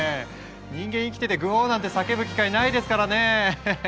人間生きててグォーなんて叫ぶ機会ないですからね。